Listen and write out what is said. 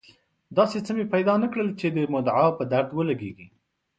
داسې څه مې پیدا نه کړل چې د مدعا په درد ولګېږي.